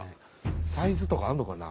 サイズとかあんのかな？